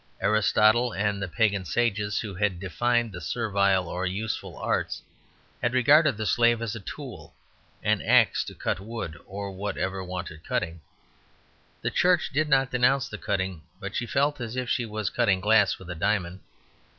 Aristotle and the pagan sages who had defined the servile or "useful" arts, had regarded the slave as a tool, an axe to cut wood or whatever wanted cutting. The Church did not denounce the cutting; but she felt as if she was cutting glass with a diamond.